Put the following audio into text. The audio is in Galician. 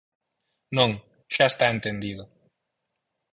Non, xa está entendido.